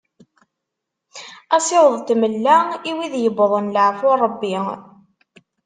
Asiweḍ n tmella i wid yewwḍen leɛfu n Rebbi.